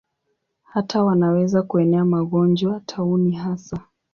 Hata wanaweza kuenea magonjwa, tauni hasa.